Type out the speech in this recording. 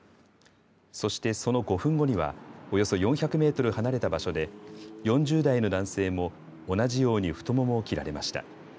そして、その５分後にはおよそ４００メートル離れた場所で４０代の男性も同じように太ももを切られました。